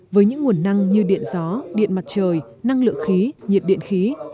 với những nguồn năng như điện gió điện mặt trời năng lượng khí nhiệt điện khí